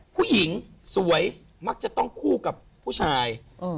ผู้หญิงสวยมักจะต้องคู่กับผู้ชาย